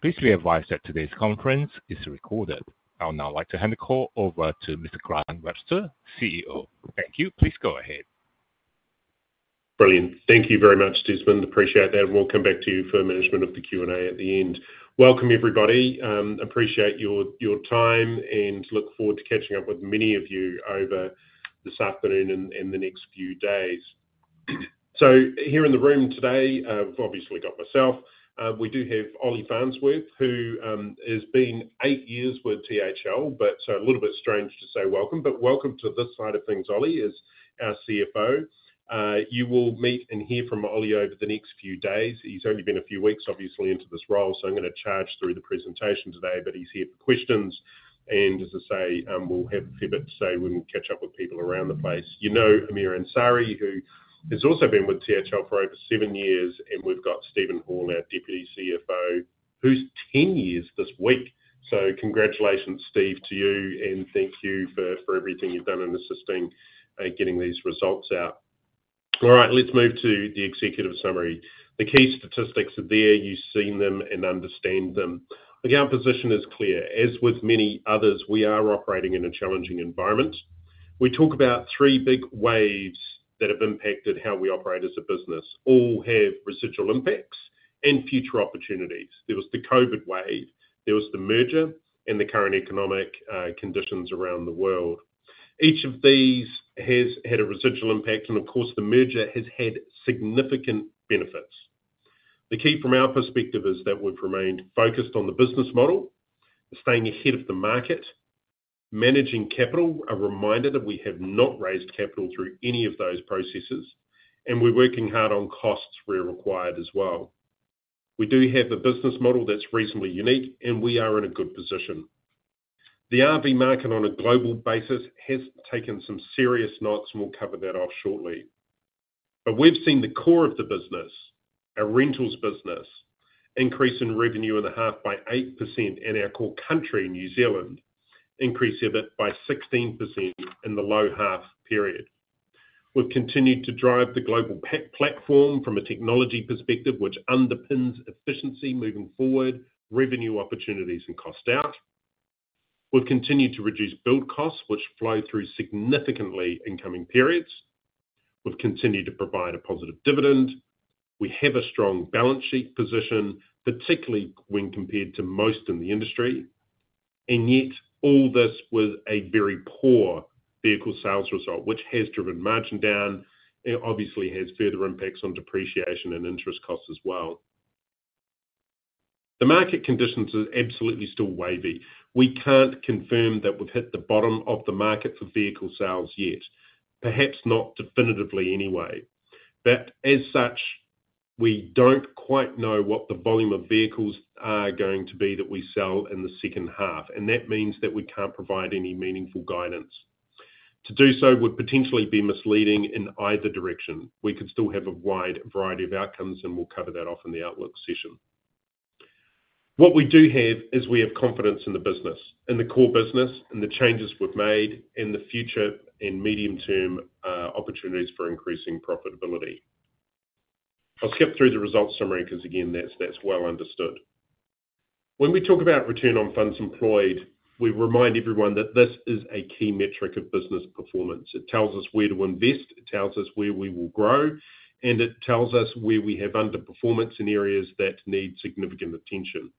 Please be advised that today's conference is recorded. I would now like to hand the call over to Mr. Grant Webster, CEO. Thank you. Please go ahead. Brilliant. Thank you very much, Desmond. Appreciate that. We will come back to you for management of the Q&A at the end. Welcome, everybody. Appreciate your time, and look forward to catching up with many of you over this afternoon and the next few days. Here in the room today, I have obviously got myself. We do have Ollie Farnsworth, who has been eight years with THL. A little bit strange to say welcome, but welcome to this side of things. Ollie is our CFO. You will meet and hear from Ollie over the next few days. He has only been a few weeks, obviously, into this role, so I am going to charge through the presentation today, but he is here for questions. As I say, we will have a fair bit to say when we catch up with people around the place. You know Amir Ansari, who has also been with THL for over seven years. And we've got Steven Hall, our Deputy CFO, who's 10 years this week. So congratulations, Steve, to you, and thank you for everything you've done in assisting in getting these results out. All right, let's move to the executive summary. The key statistics are there. You've seen them and understand them. The GAAP position is clear. As with many others, we are operating in a challenging environment. We talk about three big waves that have impacted how we operate as a business, all have residual impacts and future opportunities. There was the COVID wave. There was the merger and the current economic conditions around the world. Each of these has had a residual impact, and of course, the merger has had significant benefits. The key from our perspective is that we've remained focused on the business model, staying ahead of the market, managing capital, a reminder that we have not raised capital through any of those processes, and we're working hard on costs where required as well. We do have a business model that's reasonably unique, and we are in a good position. The RV market on a global basis has taken some serious knocks, and we will cover that off shortly. We have seen the core of the business, our rentals business, increase in revenue in the half by 8%, and our core country, New Zealand, increase a bit by 16% in the low half period. We have continued to drive the global platform from a technology perspective, which underpins efficiency moving forward, revenue opportunities, and cost out. We have continued to reduce build costs, which flow through significantly in coming periods. We've continued to provide a positive dividend. We have a strong balance sheet position, particularly when compared to most in the industry. Yet, all this with a very poor vehicle sales result, which has driven margin down and obviously has further impacts on depreciation and interest costs as well. The market conditions are absolutely still wavy. We can't confirm that we've hit the bottom of the market for vehicle sales yet, perhaps not definitively anyway. As such, we don't quite know what the volume of vehicles are going to be that we sell in the second half, and that means that we can't provide any meaningful guidance. To do so would potentially be misleading in either direction. We could still have a wide variety of outcomes, and we'll cover that off in the outlook session. What we do have is we have confidence in the business, in the core business, in the changes we've made, and the future and medium-term opportunities for increasing profitability. I'll skip through the results summary because, again, that's well understood. When we talk about return on funds employed, we remind everyone that this is a key metric of business performance. It tells us where to invest. It tells us where we will grow, and it tells us where we have underperformance in areas that need significant attention.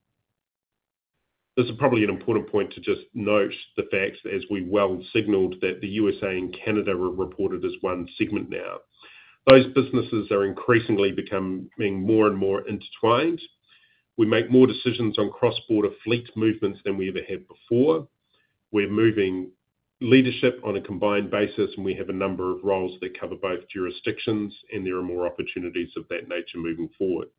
This is probably an important point to just note the facts, as we well signaled that the USA and Canada were reported as one segment now. Those businesses are increasingly becoming more and more intertwined. We make more decisions on cross-border fleet movements than we ever have before. We're moving leadership on a combined basis, and we have a number of roles that cover both jurisdictions, and there are more opportunities of that nature moving forward.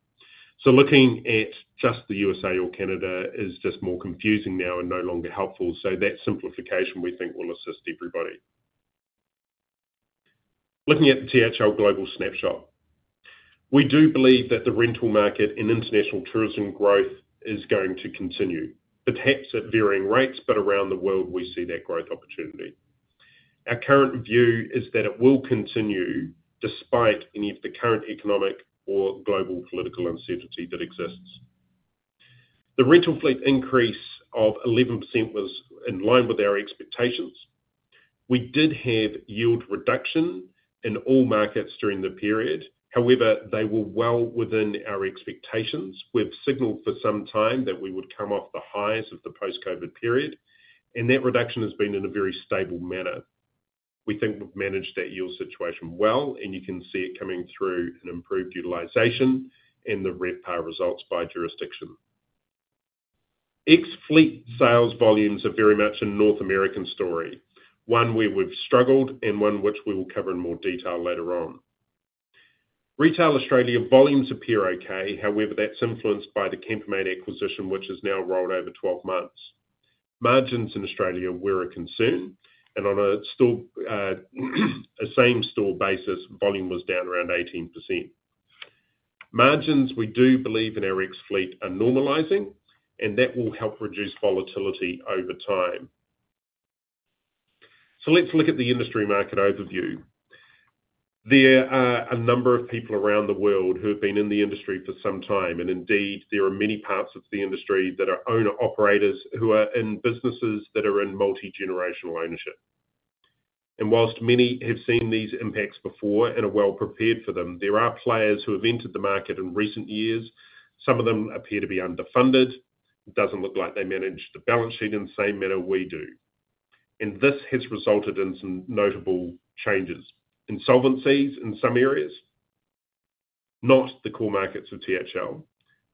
Looking at just the USA or Canada is just more confusing now and no longer helpful. That simplification, we think, will assist everybody. Looking at the THL global snapshot, we do believe that the rental market and international tourism growth is going to continue, perhaps at varying rates, but around the world, we see that growth opportunity. Our current view is that it will continue despite any of the current economic or global political uncertainty that exists. The rental fleet increase of 11% was in line with our expectations. We did have yield reduction in all markets during the period. However, they were well within our expectations. We've signaled for some time that we would come off the highs of the post-COVID period, and that reduction has been in a very stable manner. We think we've managed that yield situation well, and you can see it coming through an improved utilization and the RevPAR results by jurisdiction. Ex-fleet sales volumes are very much a North American story, one where we've struggled and one which we will cover in more detail later on. Retail Australia volumes appear okay. However, that's influenced by the CamperMate acquisition, which has now rolled over 12 months. Margins in Australia were a concern, and on a same store basis, volume was down around 18%. Margins, we do believe in our ex-fleet, are normalizing, and that will help reduce volatility over time. Let's look at the industry market overview. There are a number of people around the world who have been in the industry for some time, and indeed, there are many parts of the industry that are owner-operators who are in businesses that are in multi-generational ownership. Whilst many have seen these impacts before and are well prepared for them, there are players who have entered the market in recent years. Some of them appear to be underfunded. It does not look like they manage the balance sheet in the same manner we do. This has resulted in some notable changes, insolvencies in some areas, not the core markets of THL.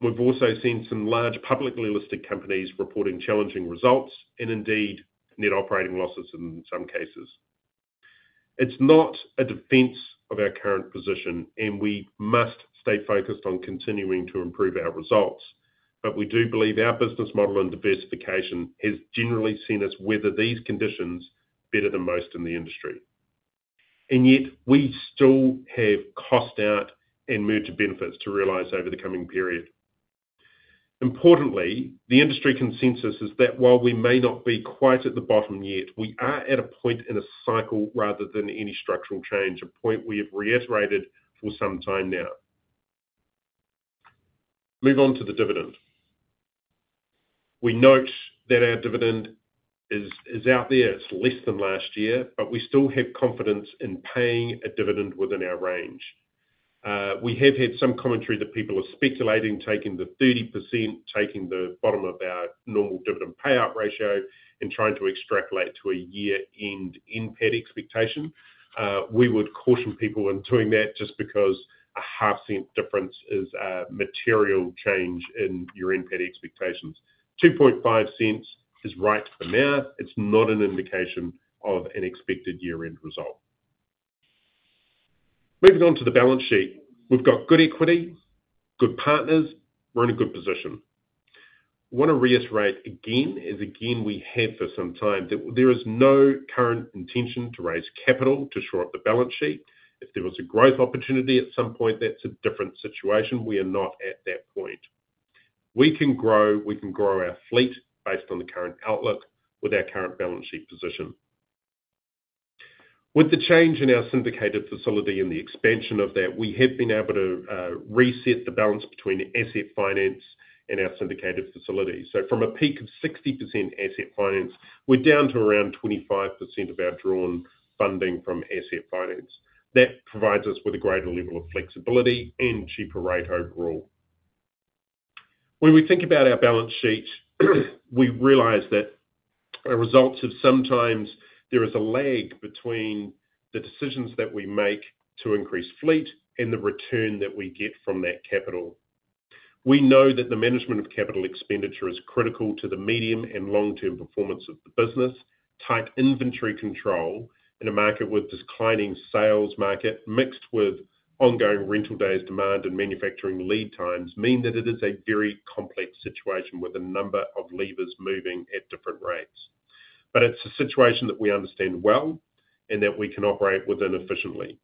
We have also seen some large publicly listed companies reporting challenging results and indeed net operating losses in some cases. It is not a defense of our current position, and we must stay focused on continuing to improve our results. We do believe our business model and diversification has generally seen us weather these conditions better than most in the industry. Yet, we still have cost out and merger benefits to realize over the coming period. Importantly, the industry consensus is that while we may not be quite at the bottom yet, we are at a point in a cycle rather than any structural change, a point we have reiterated for some time now. Move on to the dividend. We note that our dividend is out there. It is less than last year, but we still have confidence in paying a dividend within our range. We have had some commentary that people are speculating taking the 30%, taking the bottom of our normal dividend payout ratio, and trying to extrapolate to a year-end NPAT expectation. We would caution people in doing that just because a half-cent difference is a material change in your NPAT expectations. $0.025 is right for now. It's not an indication of an expected year-end result. Moving on to the balance sheet, we've got good equity, good partners. We're in a good position. I want to reiterate again, as again we have for some time, that there is no current intention to raise capital to shore up the balance sheet. If there was a growth opportunity at some point, that's a different situation. We are not at that point. We can grow. We can grow our fleet based on the current outlook with our current balance sheet position. With the change in our syndicated facility and the expansion of that, we have been able to reset the balance between asset finance and our syndicated facility. From a peak of 60% asset finance, we're down to around 25% of our drawn funding from asset finance. That provides us with a greater level of flexibility and cheaper rate overall. When we think about our balance sheet, we realize that our results have sometimes there is a lag between the decisions that we make to increase fleet and the return that we get from that capital. We know that the management of capital expenditure is critical to the medium and long-term performance of the business. Tight inventory control in a market with declining sales market mixed with ongoing rental days demand and manufacturing lead times mean that it is a very complex situation with a number of levers moving at different rates. It is a situation that we understand well and that we can operate within efficiently.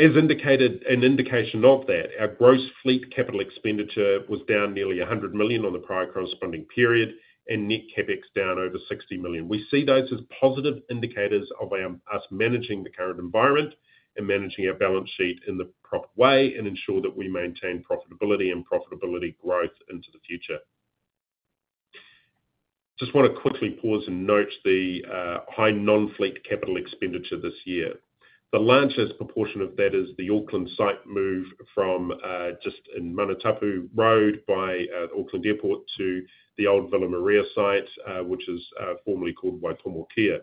As indicated, an indication of that, our gross fleet capital expenditure was down nearly $100 million on the prior corresponding period, and net CapEx down over $60 million. We see those as positive indicators of us managing the current environment and managing our balance sheet in the proper way and ensure that we maintain profitability and profitability growth into the future. Just want to quickly pause and note the high non-fleet capital expenditure this year. The largest proportion of that is the Auckland site move from just in Manu Tapu Road by Auckland Airport to the old Villa Maria site, which is formerly called Waitomokia.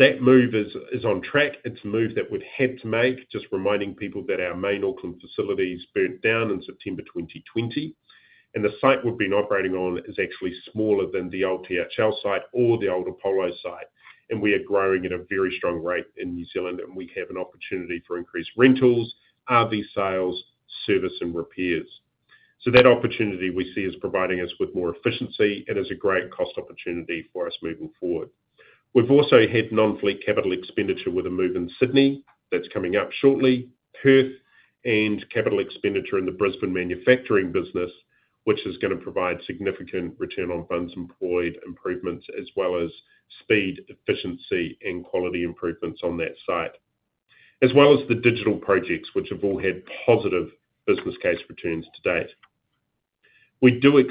That move is on track. It's a move that we've had to make, just reminding people that our main Auckland facilities burnt down in September 2020, and the site we've been operating on is actually smaller than the old THL site or the old Apollo site. We are growing at a very strong rate in New Zealand, and we have an opportunity for increased rentals, RV sales, service, and repairs. That opportunity we see is providing us with more efficiency and is a great cost opportunity for us moving forward. We've also had non-fleet capital expenditure with a move in Sydney that's coming up shortly, Perth, and capital expenditure in the Brisbane Manufacturing business, which is going to provide significant return on funds employed improvements as well as speed, efficiency, and quality improvements on that site, as well as the digital projects, which have all had positive business case returns to date. We do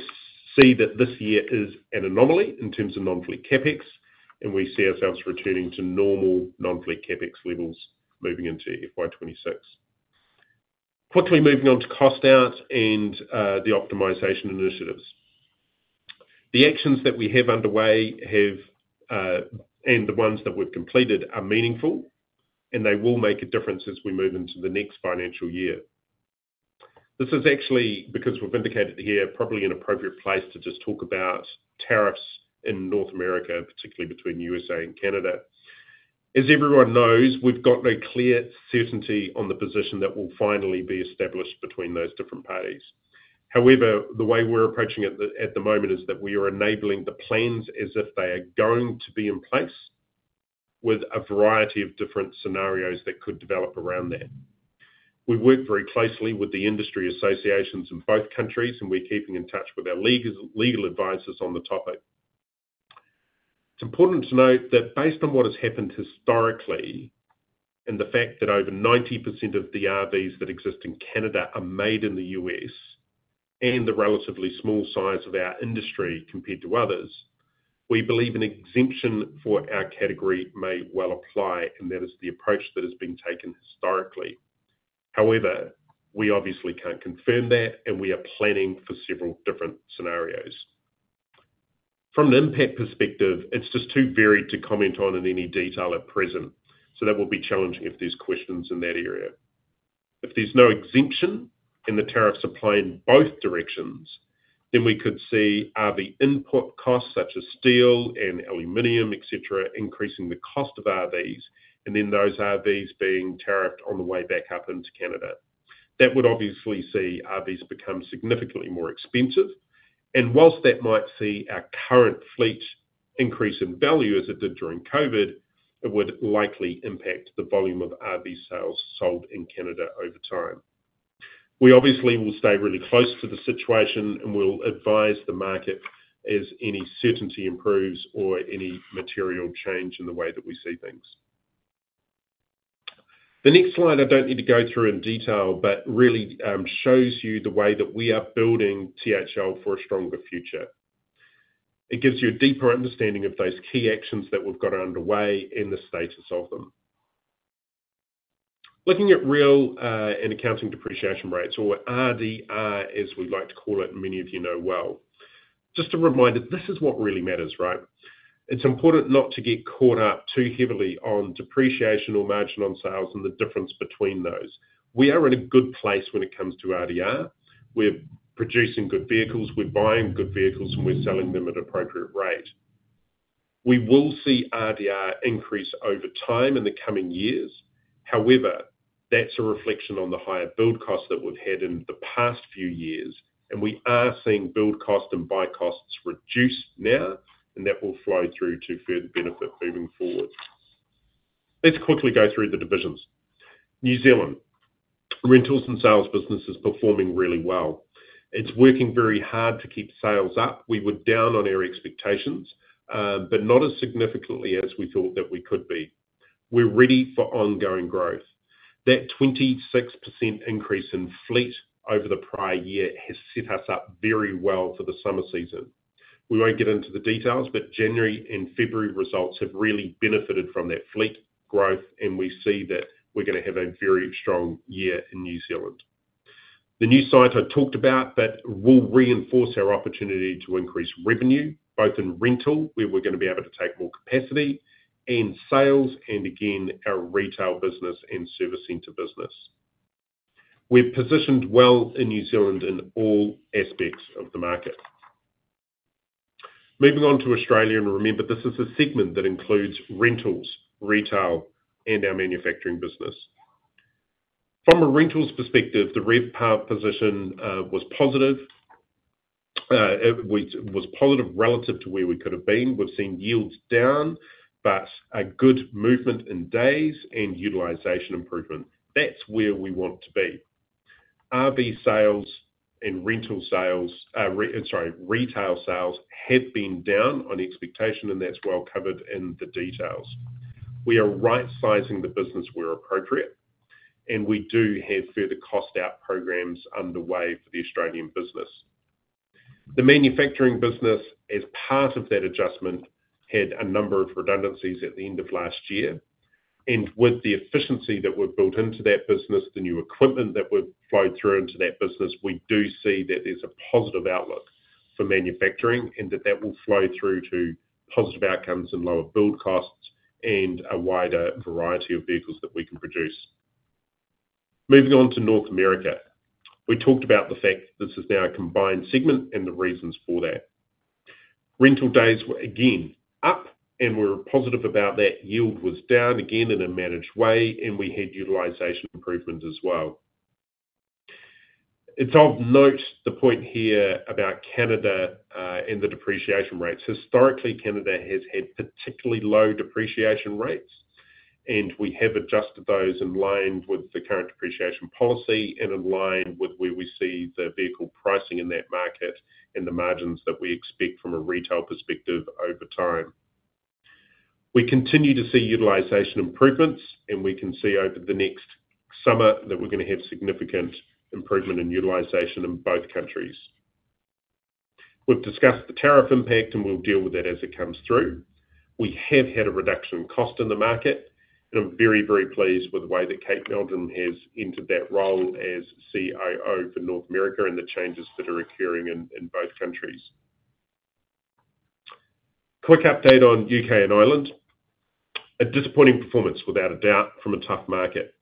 see that this year is an anomaly in terms of non-fleet CapEx, and we see ourselves returning to normal non-fleet CapEx levels moving into FY 2026. Quickly moving on to cost out and the optimization initiatives. The actions that we have underway and the ones that we've completed are meaningful, and they will make a difference as we move into the next financial year. This is actually because we've indicated here probably an appropriate place to just talk about tariffs in North America, particularly between the USA and Canada. As everyone knows, we've got no clear certainty on the position that will finally be established between those different parties. However, the way we're approaching it at the moment is that we are enabling the plans as if they are going to be in place with a variety of different scenarios that could develop around that. We work very closely with the industry associations in both countries, and we're keeping in touch with our legal advisors on the topic. It's important to note that based on what has happened historically and the fact that over 90% of the RVs that exist in Canada are made in the US and the relatively small size of our industry compared to others, we believe an exemption for our category may well apply, and that is the approach that has been taken historically. However, we obviously can't confirm that, and we are planning for several different scenarios. From an impact perspective, it's just too varied to comment on in any detail at present, so that will be challenging if there's questions in that area. If there's no exemption and the tariffs apply in both directions, then we could see RV input costs such as steel and aluminum, etc., increasing the cost of RVs and then those RVs being tariffed on the way back up into Canada. That would obviously see RVs become significantly more expensive. Whilst that might see our current fleet increase in value as it did during COVID, it would likely impact the volume of RV sales sold in Canada over time. We obviously will stay really close to the situation, and we'll advise the market as any certainty improves or any material change in the way that we see things. The next slide I don't need to go through in detail, but really shows you the way that we are building THL for a stronger future. It gives you a deeper understanding of those key actions that we've got underway and the status of them. Looking at real and accounting depreciation rates, or RDR, as we like to call it, many of you know well. Just a reminder, this is what really matters, right? It's important not to get caught up too heavily on depreciation or margin on sales and the difference between those. We are in a good place when it comes to RDR. We're producing good vehicles. We're buying good vehicles, and we're selling them at appropriate rate. We will see RDR increase over time in the coming years. However, that's a reflection on the higher build costs that we've had in the past few years, and we are seeing build costs and buy costs reduce now, and that will flow through to further benefit moving forward. Let's quickly go through the divisions. New Zealand, rentals and sales business is performing really well. It's working very hard to keep sales up. We were down on our expectations, but not as significantly as we thought that we could be. We're ready for ongoing growth. That 26% increase in fleet over the prior year has set us up very well for the summer season. We will not get into the details, but January and February results have really benefited from that fleet growth, and we see that we are going to have a very strong year in New Zealand. The new site I talked about will reinforce our opportunity to increase revenue both in rental, where we are going to be able to take more capacity, and sales, and again, our Retail business and Service Center business. We are positioned well in New Zealand in all aspects of the market. Moving on to Australia, and remember, this is a segment that includes rentals, retail, and our manufacturing business. From a rentals perspective, the REPA position was positive. It was positive relative to where we could have been. We've seen yields down, but a good movement in days and utilization improvement. That's where we want to be. RV sales and retail sales have been down on expectation, and that's well covered in the details. We are right-sizing the business where appropriate, and we do have further cost-out programs underway for the Australian business. The manufacturing business, as part of that adjustment, had a number of redundancies at the end of last year. With the efficiency that we've built into that business, the new equipment that we've flowed through into that business, we do see that there's a positive outlook for manufacturing and that that will flow through to positive outcomes and lower build costs, and a wider variety of vehicles that we can produce. Moving on to North America, we talked about the fact that this is now a combined segment and the reasons for that. Rental days were again up, and we were positive about that. Yield was down again in a managed way, and we had utilization improvement as well. It is of note the point here about Canada and the depreciation rates. Historically, Canada has had particularly low depreciation rates, and we have adjusted those in line with the current depreciation policy and in line with where we see the vehicle pricing in that market and the margins that we expect from a retail perspective over time. We continue to see utilization improvements, and we can see over the next summer that we are going to have significant improvement in utilization in both countries. We have discussed the tariff impact, and we will deal with that as it comes through. We have had a reduction in cost in the market, and I'm very, very pleased with the way that Kate Meldrum has entered that role as CIO for North America and the changes that are occurring in both countries. Quick update on U.K. and Ireland. A disappointing performance, without a doubt, from a tough market.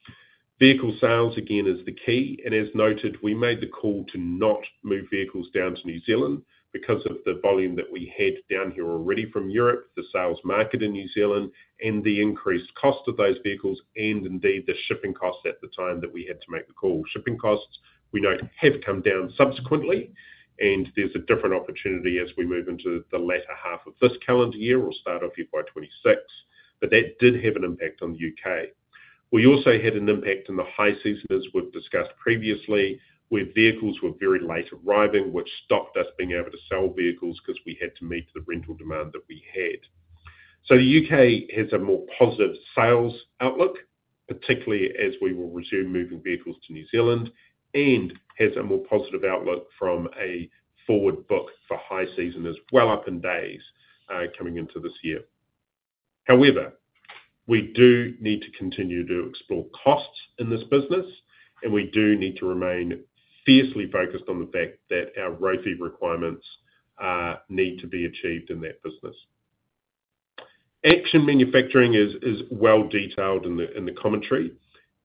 Vehicle sales, again, is the key. As noted, we made the call to not move vehicles down to New Zealand because of the volume that we had down here already from Europe, the sales market in New Zealand, and the increased cost of those vehicles, and indeed the shipping costs at the time that we had to make the call. Shipping costs, we note, have come down subsequently, and there is a different opportunity as we move into the latter half of this calendar year or start of year by 2026, but that did have an impact on the U.K. We also had an impact in the high season, as we have discussed previously, where vehicles were very late arriving, which stopped us being able to sell vehicles because we had to meet the rental demand that we had. The U.K. has a more positive sales outlook, particularly as we will resume moving vehicles to New Zealand, and has a more positive outlook from a forward book for high season as well up in days coming into this year. However, we do need to continue to explore costs in this business, and we do need to remain fiercely focused on the fact that our road fee requirements need to be achieved in that business. Action Manufacturing is well-detailed in the commentary.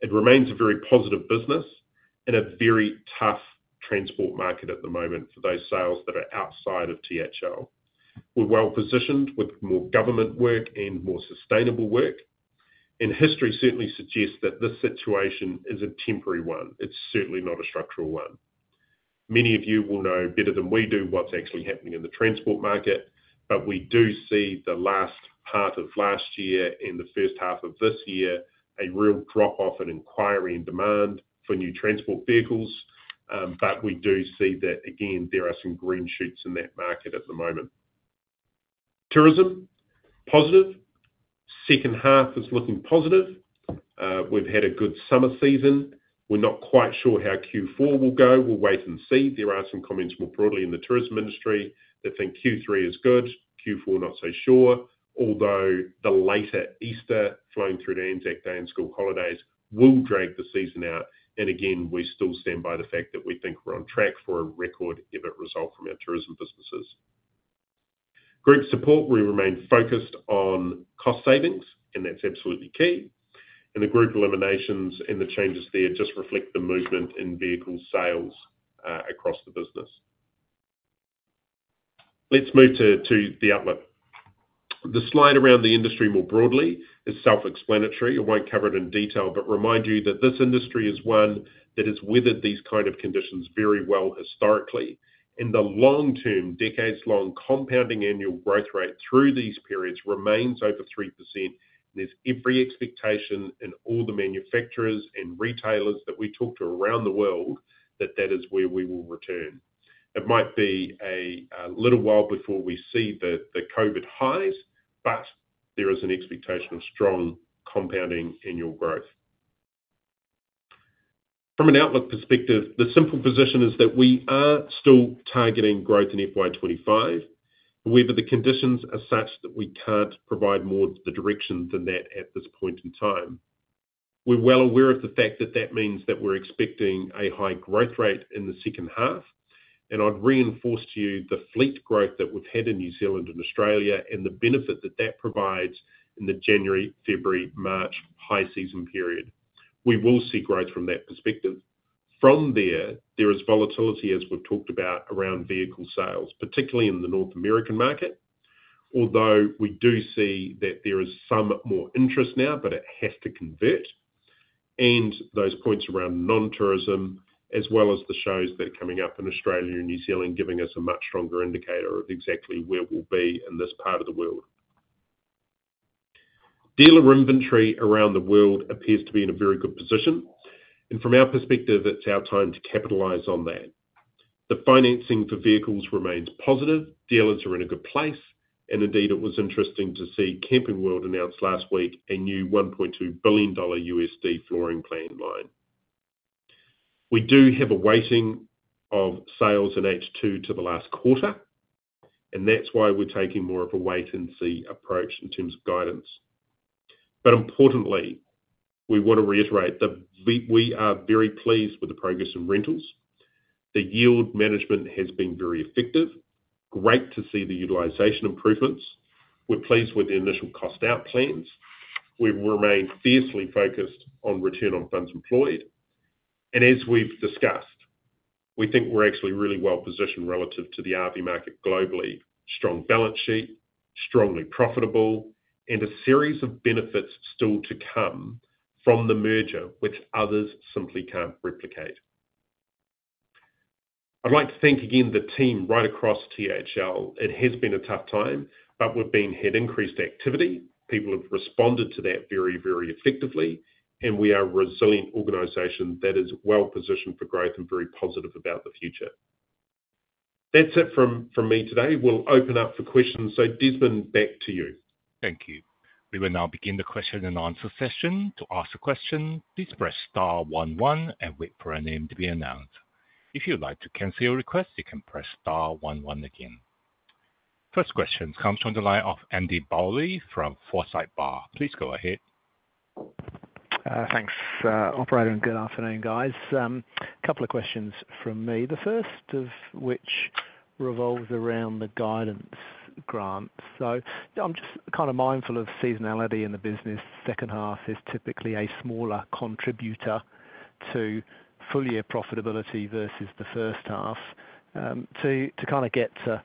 It remains a very positive business in a very tough transport market at the moment for those sales that are outside of THL. We're well-positioned with more government work and more sustainable work, and history certainly suggests that this situation is a temporary one. It's certainly not a structural one. Many of you will know better than we do what's actually happening in the transport market, but we do see the last part of last year and the first half of this year, a real drop-off in inquiry and demand for new transport vehicles. We do see that, again, there are some green shoots in that market at the moment. Tourism, positive. Second half is looking positive. We've had a good summer season. We're not quite sure how Q4 will go. We'll wait and see. There are some comments more broadly in the tourism industry that think Q3 is good, Q4 not so sure, although the later Easter flowing through the ANZAC Day and School holidays will drag the season out. Again, we still stand by the fact that we think we're on track for a record-event result from our tourism businesses. Group support, we remain focused on cost savings, and that's absolutely key. The group eliminations and the changes there just reflect the movement in vehicle sales across the business. Let's move to the outlook. The slide around the industry more broadly is self-explanatory. I won't cover it in detail, but remind you that this industry is one that has weathered these kind of conditions very well historically. The long-term, decades-long compounding annual growth rate through these periods remains over 3%. There is every expectation in all the manufacturers and retailers that we talk to around the world that that is where we will return. It might be a little while before we see the COVID highs, but there is an expectation of strong compounding annual growth. From an outlook perspective, the simple position is that we are still targeting growth in FY 2025. However, the conditions are such that we can't provide more the direction than that at this point in time. We're well aware of the fact that that means that we're expecting a high growth rate in the second half. I would reinforce to you the fleet growth that we have had in New Zealand and Australia and the benefit that that provides in the January, February, March high season period. We will see growth from that perspective. From there, there is volatility, as we have talked about, around vehicle sales, particularly in the North American market, although we do see that there is some more interest now, but it has to convert. Those points around non-tourism, as well as the shows that are coming up in Australia and New Zealand, give us a much stronger indicator of exactly where we will be in this part of the world. Dealer inventory around the world appears to be in a very good position. From our perspective, it is our time to capitalize on that. The financing for vehicles remains positive. Dealers are in a good place. Indeed, it was interesting to see Camping World announce last week a new $1.2 billion USD flooring plan line. We do have a weighting of sales in H2 to the last quarter, and that is why we are taking more of a wait-and-see approach in terms of guidance. Importantly, we want to reiterate that we are very pleased with the progress in rentals. The yield management has been very effective. Great to see the utilization improvements. We are pleased with the initial cost-out plans. We remain fiercely focused on return on funds employed. As we have discussed, we think we are actually really well positioned relative to the RV market globally. Strong balance sheet, strongly profitable, and a series of benefits still to come from the merger which others simply cannot replicate. I would like to thank again the team right across THL. It has been a tough time, but we've had increased activity. People have responded to that very, very effectively, and we are a resilient organization that is well positioned for growth and very positive about the future. That's it from me today. We'll open up for questions. Desmond, back to you. Thank you. We will now begin the question and answer session. To ask a question, please press star one one and wait for a name to be announced. If you'd like to cancel your request, you can press star one one again. First question comes from the line of Andy Bowley from Forsyth Barr. Please go ahead. Thanks, operator. Good afternoon, guys. A couple of questions from me, the first of which revolves around the guidance, Grant. I'm just kind of mindful of seasonality in the business. Second half is typically a smaller contributor to full-year profitability versus the first half. To kind of get to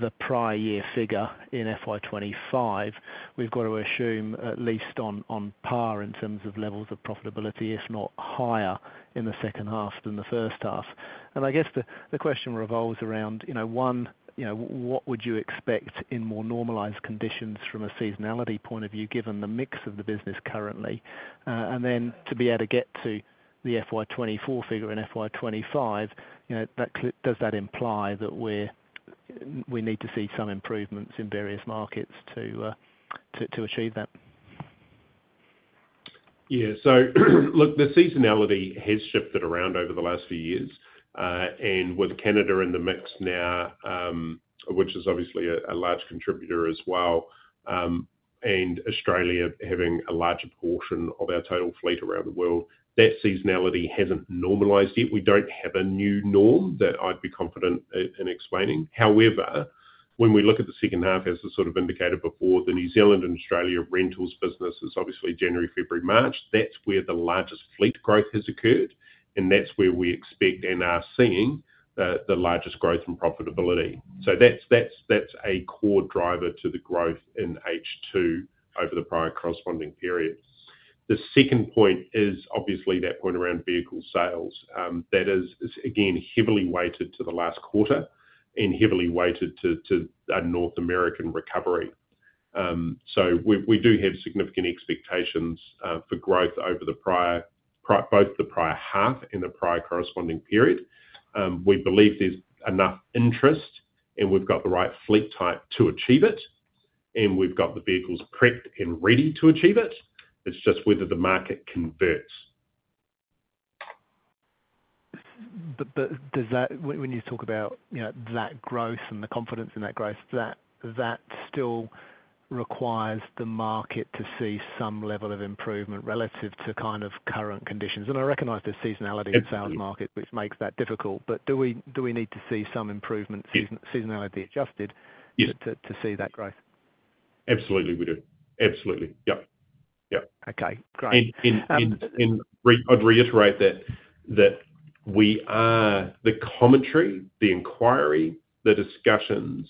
the prior year figure in FY 2025, we've got to assume at least on par in terms of levels of profitability, if not higher in the second half than the first half. I guess the question revolves around, one, what would you expect in more normalized conditions from a seasonality point of view, given the mix of the business currently? Then to be able to get to the FY 2024 figure and FY 2025, does that imply that we need to see some improvements in various markets to achieve that? Yeah. Look, the seasonality has shifted around over the last few years. With Canada in the mix now, which is obviously a large contributor as well, and Australia having a larger portion of our total fleet around the world, that seasonality has not normalized yet. We do not have a new norm that I would be confident in explaining. However, when we look at the second half, as I sort of indicated before, the New Zealand and Australia rentals business is obviously January, February, March. That is where the largest fleet growth has occurred, and that is where we expect and are seeing the largest growth in profitability. That is a core driver to the growth in H2 over the prior corresponding period. The second point is obviously that point around vehicle sales. That is, again, heavily weighted to the last quarter and heavily weighted to a North American recovery. We do have significant expectations for growth over both the prior half and the prior corresponding period. We believe there's enough interest, and we've got the right fleet type to achieve it, and we've got the vehicles prepped and ready to achieve it. It's just whether the market converts. When you talk about that growth and the confidence in that growth, that still requires the market to see some level of improvement relative to kind of current conditions. I recognize the seasonality in sales markets, which makes that difficult. Do we need to see some improvement, seasonality adjusted, to see that growth? Absolutely, we do. Absolutely. Yeah. Okay. Great. I'd reiterate that the commentary, the inquiry, the discussions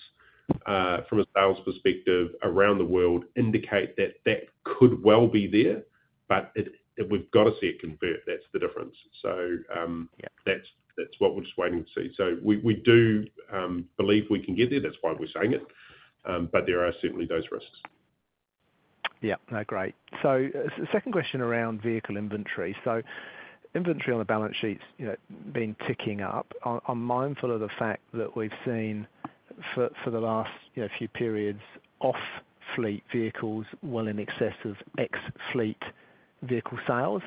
from a sales perspective around the world indicate that that could well be there, but we've got to see it convert. That's the difference. That's what we're just waiting to see. We do believe we can get there. That's why we're saying it. There are certainly those risks. Yeah. Thats, great. Second question around vehicle inventory. Inventory on the balance sheet's been ticking up. I'm mindful of the fact that we've seen for the last few periods, off-fleet vehicles well in excess of ex-fleet vehicle sales.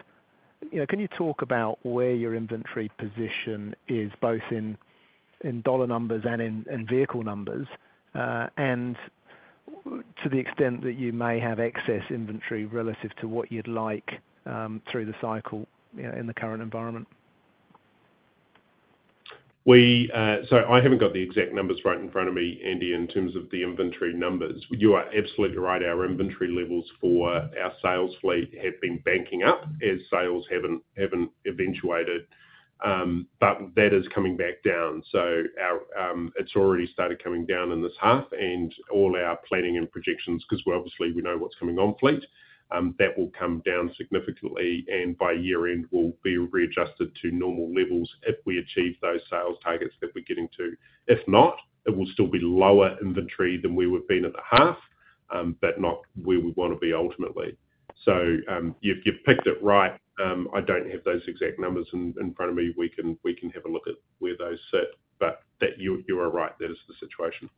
Can you talk about where your inventory position is, both in dollar numbers and in vehicle numbers, and to the extent that you may have excess inventory relative to what you'd like through the cycle in the current environment? I haven't got the exact numbers right in front of me, Andy, in terms of the inventory numbers. You are absolutely right. Our inventory levels for our sales fleet have been banking up as sales haven't eventuated, but that is coming back down. It has already started coming down in this half. In all our planning and projections, because obviously we know what is coming on fleet, that will come down significantly. By year-end, we will be readjusted to normal levels if we achieve those sales targets that we are getting to. If not, it will still be lower inventory than we would have been in the half, but not where we want to be ultimately. You have picked it right. I do not have those exact numbers in front of me. We can have a look at where those sit. You are right. That is the situation.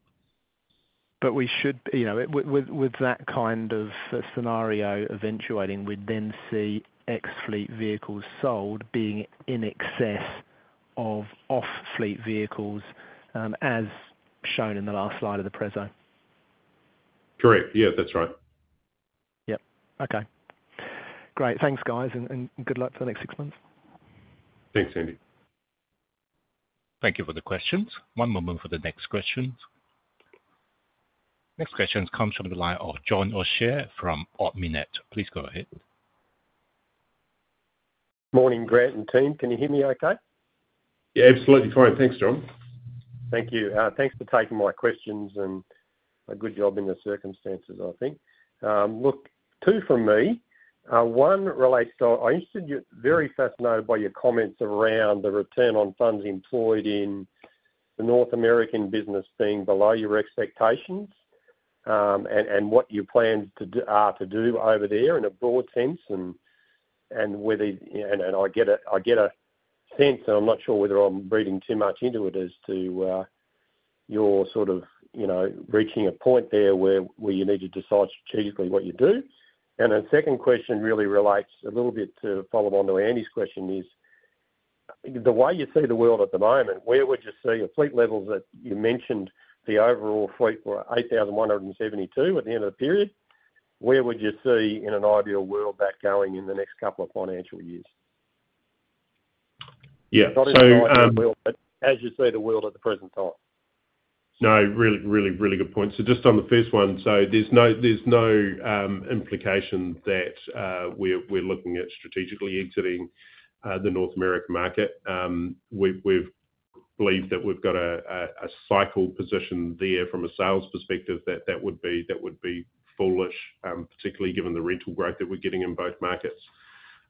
We should, with that kind of scenario eventuating, then see ex-fleet vehicles sold being in excess of off-fleet vehicles, as shown in the last slide of the prezo. Correct. Yes, that is right. Yes. Okay. Great. Thanks, guys. Good luck for the next six months. Thanks, Andy. Thank you for the questions. One moment for the next questions. Next questions come from the line of John O'Shea from Ord Minnett. Please go ahead. Morning, Grant and team. Can you hear me okay? Yeah, absolutely fine. Thanks, John. Thank you. Thanks for taking my questions and a good job in the circumstances, I think. Look, two from me. One relates to, I'm very fascinated by your comments around the return on funds employed in the North American business being below your expectations and what your plans are to do over there in a broad sense and whether and I get a sense, and I'm not sure whether I'm reading too much into it, as to your sort of reaching a point there where you need to decide strategically what you do. The second question really relates a little bit to follow on to Andy's question. The way you see the world at the moment, where would you see your fleet levels that you mentioned the overall fleet were 8,172 at the end of the period? Where would you see in an ideal world that going in the next couple of financial years? As you see the world at the present time? No, really, really, really good point. Just on the first one, there is no implication that we're looking at strategically exiting the North American market. We believe that we've got a cycle position there from a sales perspective that, that would be foolish, particularly given the rental growth that we're getting in both markets.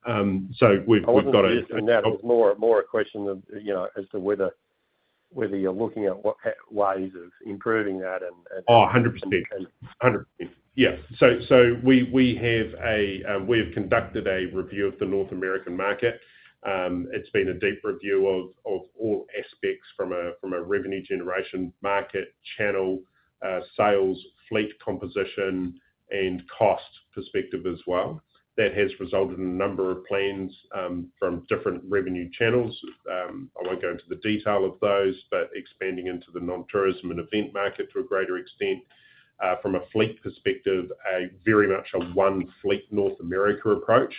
We've got a— And that's more a question as to whether you're looking at ways of improving that and— Oh, 100%. 100%. Yeah. We have conducted a review of the North American market. It's been a deep review of all aspects from a revenue generation market channel, sales, fleet composition, and cost perspective as well. That has resulted in a number of plans from different revenue channels. I won't go into the detail of those, but expanding into the non-tourism and event market to a greater extent. From a fleet perspective, very much a one-fleet North America approach,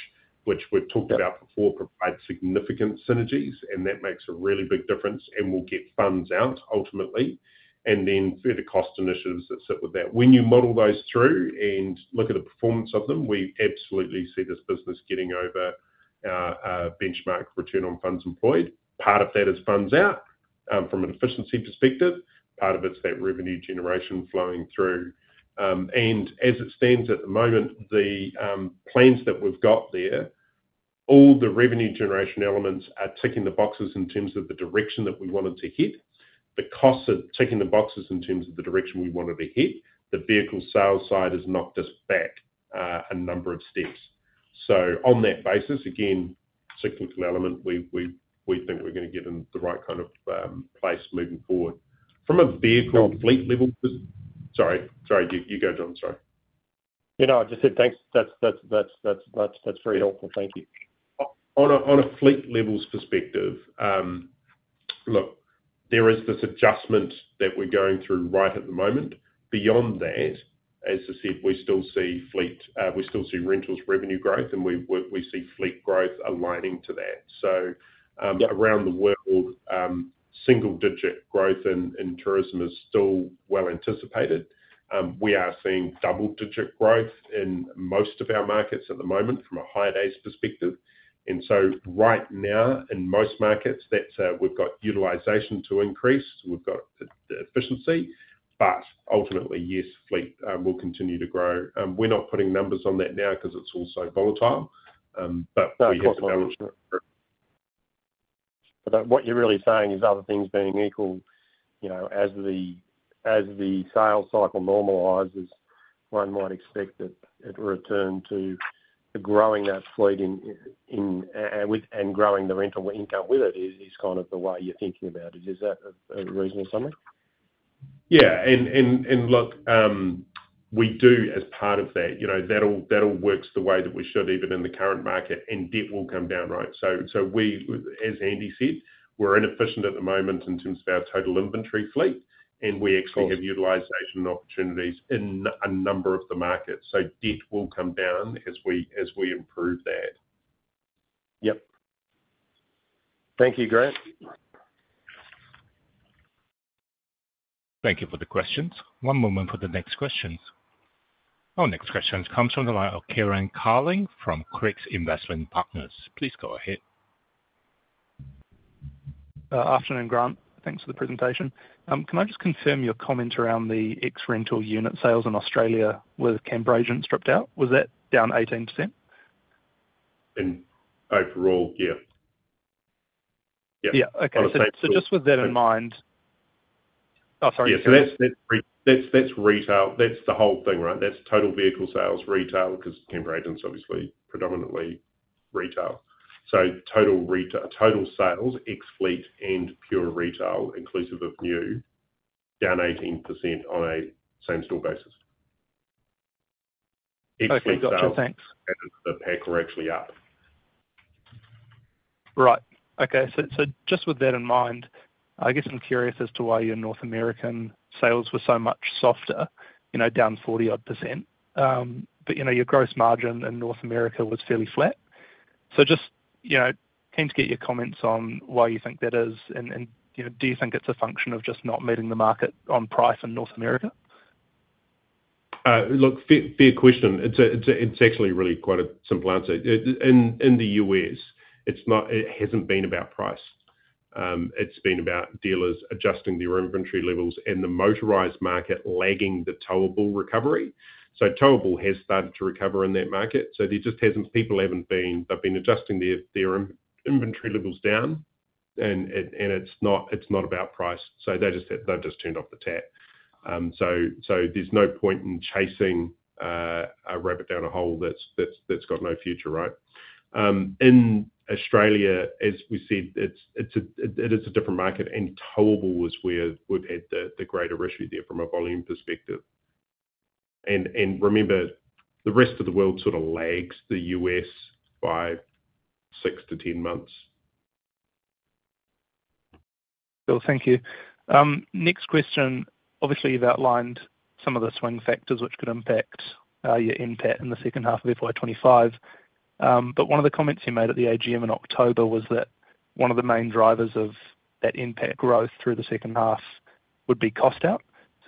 which we've talked about before, provides significant synergies, and that makes a really big difference and will get funds out ultimately. Then further cost initiatives that sit with that. When you model those through and look at the performance of them, we absolutely see this business getting over our benchmark return on funds employed. Part of that is funds out from an efficiency perspective. Part of it is that revenue generation flowing through. As it stands at the moment, the plans that we have got there, all the revenue generation elements are ticking the boxes in terms of the direction that we wanted to hit. The costs are ticking the boxes in terms of the direction we wanted to hit. The vehicle sales side has knocked us back a number of steps. On that basis, again, cyclical element, we think we are going to get in the right kind of place moving forward. From a vehicle fleet level— Sorry. Sorry. You go, John. Sorry. No, I just said thanks. That is very helpful. Thank you. On a fleet levels perspective, look, there is this adjustment that we're going through right at the moment. Beyond that, as I said, we still see fleet—we still see rentals revenue growth, and we see fleet growth aligning to that. Around the world, single-digit growth in tourism is still well anticipated. We are seeing double-digit growth in most of our markets at the moment from a high-day perspective. Right now, in most markets, we've got utilization to increase. We've got efficiency. Ultimately, yes, fleet will continue to grow. We're not putting numbers on that now because it's all so volatile. We have the balance. What you're really saying is other things being equal. As the sales cycle normalizes, one might expect that it will return to growing that fleet and growing the rental income with it is kind of the way you're thinking about it. Is that a reasonable summary? Yeah. Look, we do, as part of that, that all works the way that we should, even in the current market, and debt will come down, right? As Andy said, we're inefficient at the moment in terms of our total inventory fleet, and we actually have utilization opportunities in a number of the markets. Debt will come down as we improve that. Yeah. Thank you, Grant. Thank you for the questions. One moment for the next questions. Our next question comes from the line of Kieran Carling from Craigs Investment Partners. Please go ahead. Afternoon, Grant. Thanks for the presentation. Can I just confirm your comment around the ex-rental unit sales in Australia with Cambridge and stripped out? Was that down 18%? Overall, yeah. Yeah. Okay. Just with that in mind—oh, sorry. Yeah. That's retail. That's the whole thing, right? That's total vehicle sales, retail, because Cambridge is obviously predominantly retail. Total sales, ex-fleet and pure retail, inclusive of new, down 18% on a same-store basis. Ex-fleet sales. Okay. Got you. Thanks. The pack were actually up. Right. Just with that in mind, I guess I'm curious as to why your North American sales were so much softer, down 40-odd %. Your gross margin in North America was fairly flat. Just came to get your comments on why you think that is. Do you think it's a function of just not meeting the market on price in North America? Look, fair question. It's actually really quite a simple answer. In the U.S., it hasn't been about price. It's been about dealers adjusting their inventory levels and the motorized market lagging the towable recovery. Towable has started to recover in that market. There just hasn't—people haven't been—they've been adjusting their inventory levels down, and it's not about price. They've just turned off the tap. There's no point in chasing a rabbit down a hole that's got no future, right? In Australia, as we said, it is a different market, and towable is where we've had the greater issue there from a volume perspective. Remember, the rest of the world sort of lags the U.S. by 6 months-10 months. Bill, thank you. Next question. Obviously, you've outlined some of the swing factors which could impact your impact in the second half of FY 2025. One of the comments you made at the AGM in October was that one of the main drivers of that impact growth through the second half would be cost out.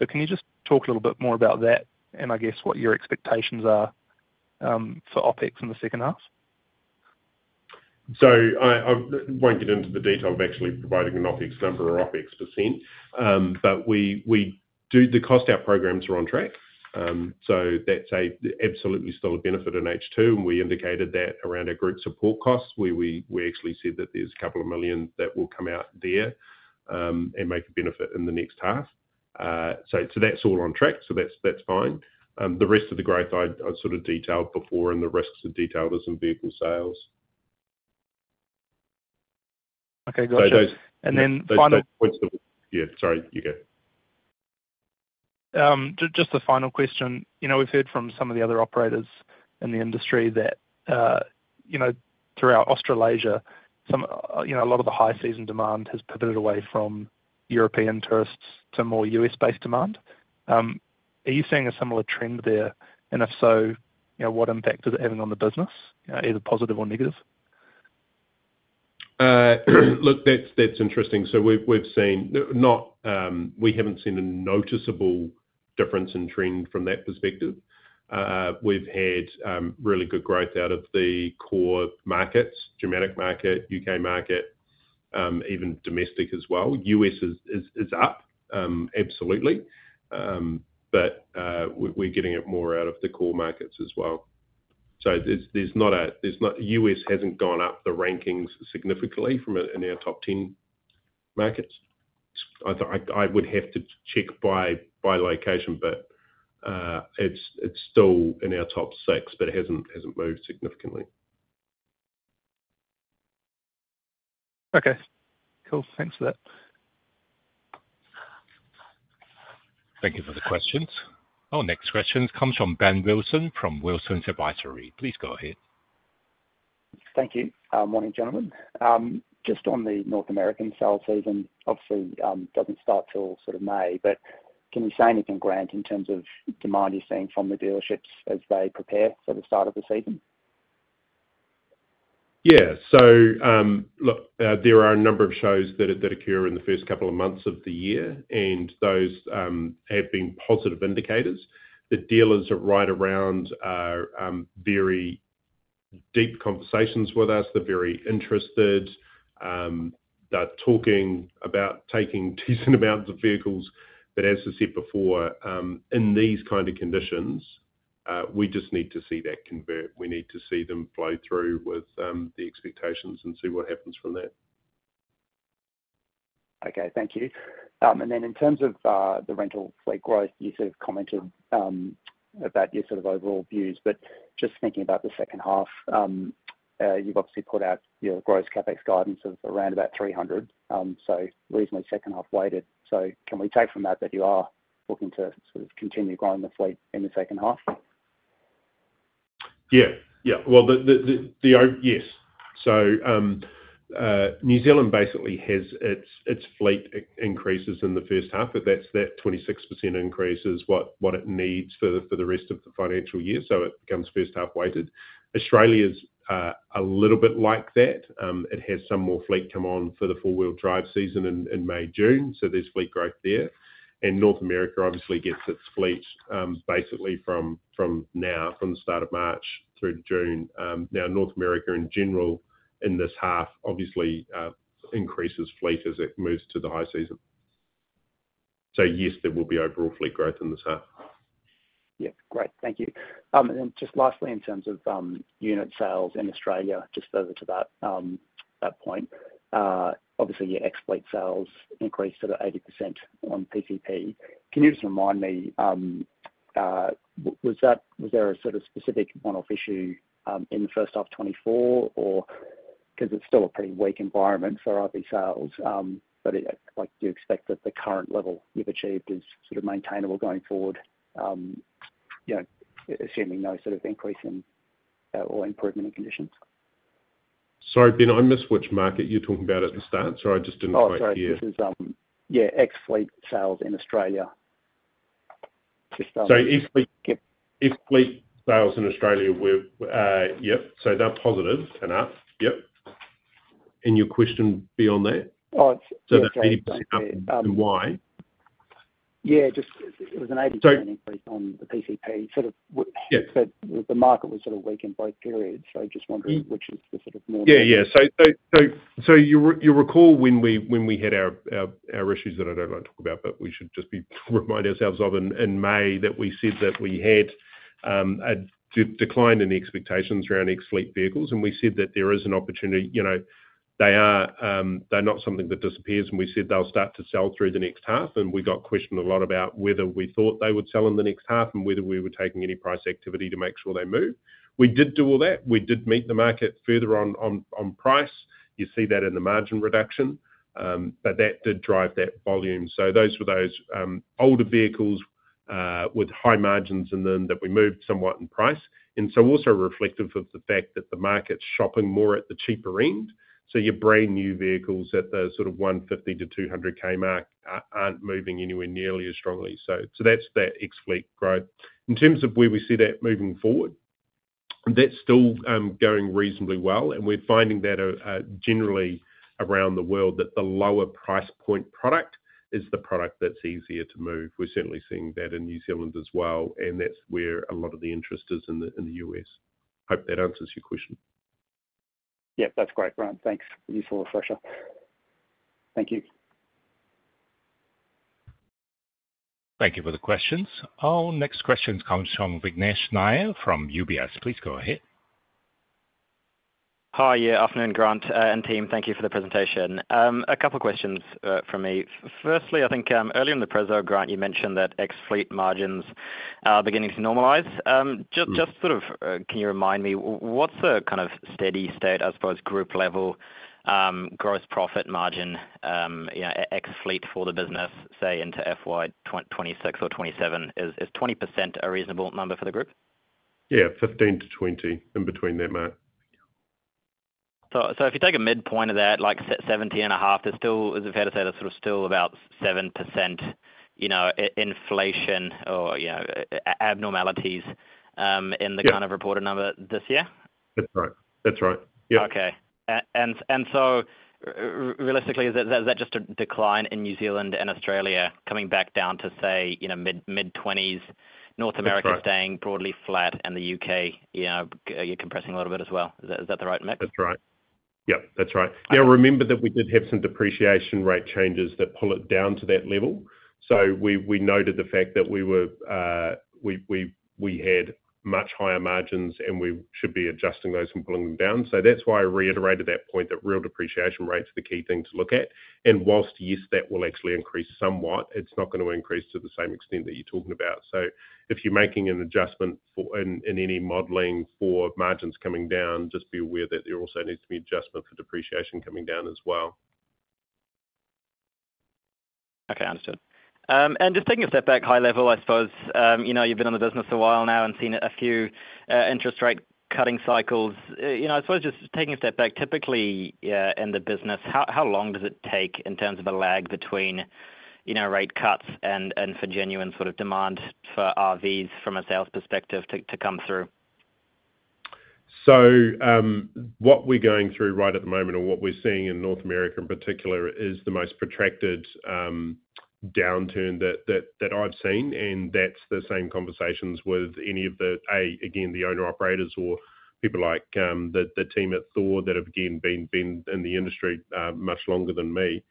Can you just talk a little bit more about that, and I guess what your expectations are for OpEx in the second half? I will not get into the detail of actually providing an OpEx number or OpEx %, but the cost out programs are on track. That is absolutely still a benefit in H2, and we indicated that around our group support costs where we actually said that there is a couple of million that will come out there and make a benefit in the next half. That is all on track. That is fine. The rest of the growth I sort of detailed before, and the risks are detailed as in vehicle sales. Okay. Got you. And then final— Yeah. Sorry. You go. Just the final question. We've heard from some of the other operators in the industry that throughout Australasia, a lot of the high-season demand has pivoted away from European tourists to more U.S.-based demand. Are you seeing a similar trend there? If so, what impact is it having on the business, either positive or negative? Look, that's interesting. We've haven't seen a noticeable difference in trend from that perspective. We've had really good growth out of the core markets: Germanic market, U.K. market, even domestic as well. U.S. is up, absolutely. We're getting it more out of the core markets as well. There's not a— U.S. hasn't gone up the rankings significantly from our top 10 markets. I would have to check by location, but it's still in our top six, but it hasn't moved significantly. Okay. Cool. Thanks for that. Thank you for the questions. Our next question comes from Ben Wilson from Wilsons Advisory. Please go ahead. Thank you. Morning, gentlemen. Just on the North American sales season, obviously, it does not start till sort of May, but can you say anything, Grant, in terms of demand you are seeing from the dealerships as they prepare for the start of the season? Yeah. Look, there are a number of shows that occur in the first couple of months of the year, and those have been positive indicators. The dealers are right around very deep conversations with us. They are very interested. They are talking about taking decent amounts of vehicles. As I said before, in these kind of conditions, we just need to see that convert. We need to see them flow through with the expectations and see what happens from that. Okay. Thank you. In terms of the rental fleet growth, you sort of commented about your sort of overall views. Just thinking about the second half, you've obviously put out your gross CapEx guidance of around about $300 million. So reasonably second-half weighted. Can we take from that that you are looking to sort of continue growing the fleet in the second half? Yes. New Zealand basically has its fleet increases in the first half, but that 26% increase is what it needs for the rest of the financial year. It becomes first-half weighted. Australia's a little bit like that. It has some more fleet come on for the four-wheel drive season in May, June. There's fleet growth there. North America obviously gets its fleet basically from now, from the start of March through to June. Now, North America in general in this half obviously increases fleet as it moves to the high season. Yes, there will be overall fleet growth in this half. Yeah. Great. Thank you. Lastly, in terms of unit sales in Australia, just further to that point, obviously, your ex-fleet sales increased to the 80% on PCP. Can you just remind me, was there a sort of specific one-off issue in the first half of 2024? Because it is still a pretty weak environment for RV sales. Do you expect that the current level you have achieved is sort of maintainable going forward, assuming no sort of increase in or improvement in conditions? Sorry, Ben, I missed which market you are talking about at the start, so I just did not quite hear. Oh, sorry. Yeah, ex-fleet sales in Australia. Ex-fleet sales in Australia, Yeah. They're positive and up. Yeah. Your question beyond that? Oh, it's 80% up. That's 80% up. Why? Yeah. It was an 80% increase on the PCP. The market was sort of weak in both periods, so just wondering which is the more— Yeah. You'll recall when we had our issues that I don't want to talk about, but we should just remind ourselves of in May that we said we had a decline in expectations around ex-fleet vehicles, and we said that there is an opportunity. They're not something that disappears, and we said they'll start to sell through the next half. We got questioned a lot about whether we thought they would sell in the next half and whether we were taking any price activity to make sure they move. We did do all that. We did meet the market further on price. You see that in the margin reduction, but that did drive that volume. Those were those older vehicles with high margins in them that we moved somewhat in price. That is also reflective of the fact that the market's shopping more at the cheaper end. Your brand new vehicles at the sort of $150,000-$200,000 mark are not moving anywhere nearly as strongly. That is that ex-fleet growth. In terms of where we see that moving forward, that is still going reasonably well. We are finding that generally around the world the lower price point product is the product that is easier to move. We are certainly seeing that in New Zealand as well, and that is where a lot of the interest is in the U.S. Hope that answers your question. Yeah. That is great, Grant. Thanks for the useful refresher. Thank you. Thank you for the questions. Our next question comes from Vignesh Nair from UBS. Please go ahead. Hi. Yeah. Afternoon, Grant and team. Thank you for the presentation. A couple of questions from me. Firstly, I think earlier in the prezzo grant, you mentioned that ex-fleet margins are beginning to normalize. Just sort of can you remind me what's the kind of steady state, I suppose, group-level gross profit margin ex-fleet for the business, say, into FY 2026 or FY 2027? Is 20% a reasonable number for the group? Yeah. 15%-20% in between there, Nair. If you take a midpoint of that, like 17.5%, is it fair to say that's sort of still about 7% inflation or abnormalities in the kind of reported number this year? That's right. That's right. Yeah. Realistically, is that just a decline in New Zealand and Australia coming back down to, say, mid-20s, North America staying broadly flat, and the U.K. compressing a little bit as well? Is that the right mix? That's right. Yeah. Yeah, that's right. Now, remember that we did have some depreciation rate changes that pull it down to that level. We noted the fact that we had much higher margins, and we should be adjusting those and pulling them down. That's why I reiterated that point that real depreciation rate's the key thing to look at. Whilst, yes, that will actually increase somewhat, it's not going to increase to the same extent that you're talking about. If you're making an adjustment in any modeling for margins coming down, just be aware that there also needs to be an adjustment for depreciation coming down as well. Okay. Understood. Just taking a step back, high level, I suppose you've been in the business a while now and seen a few interest rate cutting cycles. I suppose just taking a step back, typically in the business, how long does it take in terms of a lag between rate cuts and for genuine sort of demand for RVs from a sales perspective to come through? What we're going through right at the moment or what we're seeing in North America in particular is the most protracted downturn that I've seen. That's the same conversations with any of the, again, the owner-operators or people like the team at Thor that have again been in the industry much longer than me.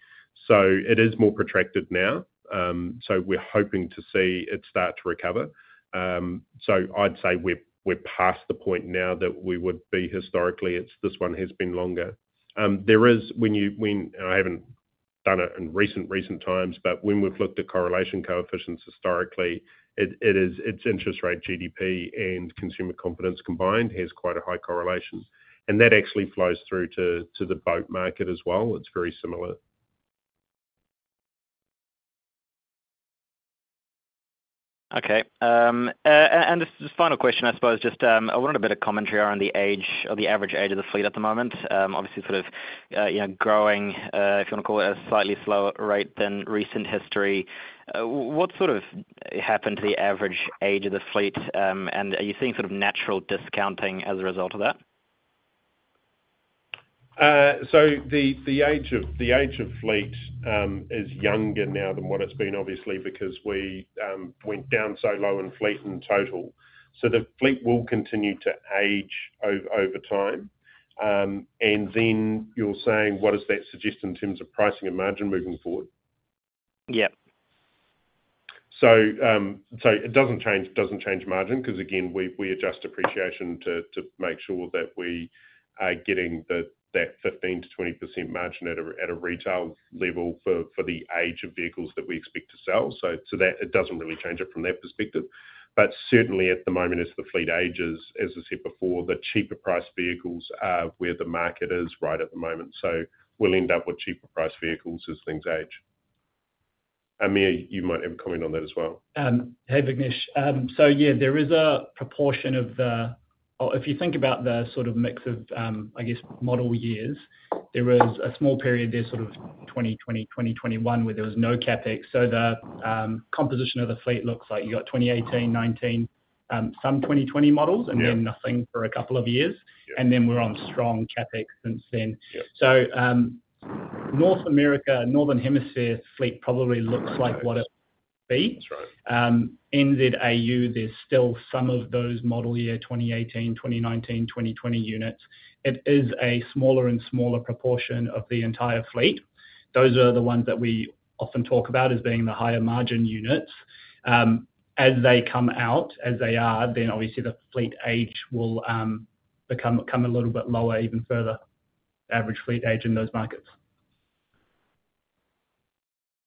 It is more protracted now. We're hoping to see it start to recover. I'd say we're past the point now that we would be historically. This one has been longer. There is, when you—and I haven't done it in recent, recent times, but when we've looked at correlation coefficients historically, it's interest rate, GDP, and consumer confidence combined has quite a high correlation. That actually flows through to the boat market as well. It's very similar. Okay. This is the final question, I suppose. I just wanted a bit of commentary around the age or the average age of the fleet at the moment. Obviously, sort of growing, if you want to call it a slightly slower rate than recent history. What sort of happened to the average age of the fleet? Are you seeing sort of natural discounting as a result of that? The age of fleet is younger now than what it's been, obviously, because we went down so low in fleet in total. The fleet will continue to age over time. You're saying, what does that suggest in terms of pricing and margin moving forward? Yeah. It doesn't change margin because, again, we adjust depreciation to make sure that we are getting that 15%-20% margin at a retail level for the age of vehicles that we expect to sell. It doesn't really change it from that perspective. Certainly, at the moment, as the fleet ages, as I said before, the cheaper-priced vehicles are where the market is right at the moment. We'll end up with cheaper-priced vehicles as things age. Amir, you might have a comment on that as well. Hey, Vignesh. Yeah, there is a proportion of the—if you think about the sort of mix of, I guess, model years, there was a small period there, 2020, 2021, where there was no CapEx. The composition of the fleet looks like you got 2018, 2019, some 2020 models, and then nothing for a couple of years. We're on strong CapEx since then. North America, Northern Hemisphere fleet probably looks like what it would be. That's right. NZ/AU, there's still some of those model year 2018, 2019, 2020 units. It is a smaller and smaller proportion of the entire fleet. Those are the ones that we often talk about as being the higher-margin units. As they come out, as they are, then obviously the fleet age will come a little bit lower even further, average fleet age in those markets.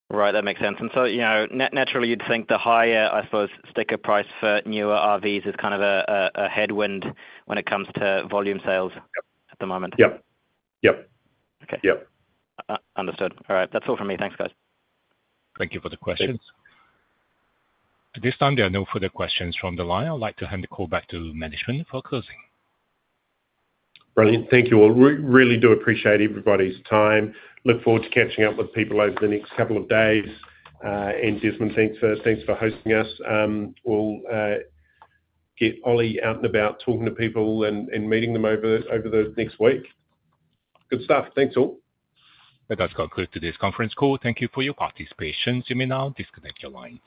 Right. That makes sense. Naturally, you'd think the higher, I suppose, sticker price for newer RVs is kind of a headwind when it comes to volume sales at the moment. Yeah. Understood. All right. That's all from me. Thanks, guys. Thank you for the questions. At this time, there are no further questions from the line. I'd like to hand the call back to management for closing. Brilliant. Thank you all. We really do appreciate everybody's time. Look forward to catching up with people over the next couple of days. Desmond, thanks for hosting us. We'll get Ollie out and about talking to people and meeting them over the next week. Good stuff. Thanks, all. That does conclude today's conference call. Thank you for your participation. You may now disconnect your line.